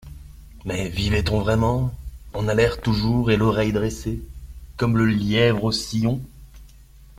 Mais vivait-on vraiment ? En alerte toujours et l'oreille dressée, comme le lièvre au sillon.